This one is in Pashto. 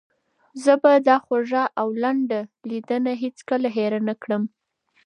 زه به دا خوږه او لنډه لیدنه هیڅکله هېره نه کړم.